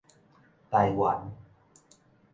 臺灣